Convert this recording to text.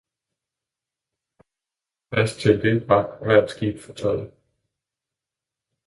fast til det var hvert skib fortøjet.